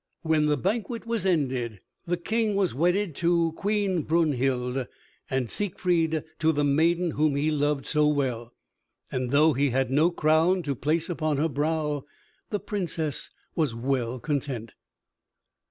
When the banquet was ended, the King was wedded to Queen Brunhild, and Siegfried to the maiden whom he loved so well, and though he had no crown to place upon her brow, the Princess was well content.